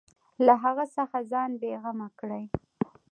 له هغه څخه ځان بېغمه کړي.